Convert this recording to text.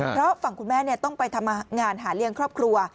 เพราะฝั่งคุณแม่ต้องไปทำงานหาเลี้ยงครอบครัว